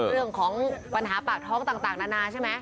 เรื่องของปัญหาปากท้องต่างนานาใช่ไหม